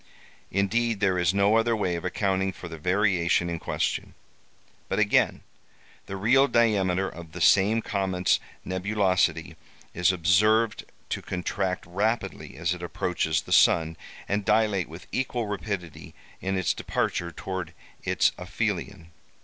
Indeed, there is no other way of accounting for the variation in question. But again:—The real diameter of the same comet's nebulosity is observed to contract rapidly as it approaches the sun, and dilate with equal rapidity in its departure towards its aphelion.